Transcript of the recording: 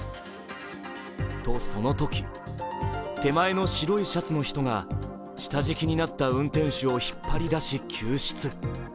と、そのとき、手前の白いシャツの人が下敷きになった運転手を引っ張り出し救出。